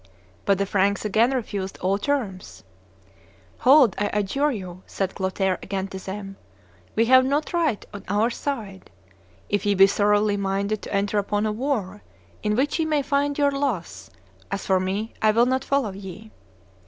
But the Franks again refused all terms. 'Hold, I adjure you,' said Clotaire again to them; 'we have not right on our side; if ye be thoroughly minded to enter upon a war in which ye may find your loss, as for me, I will not follow ye.